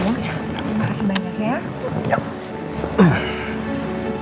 makasih banyak ya